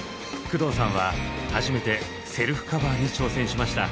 工藤さんは初めてセルフカバーに挑戦しました。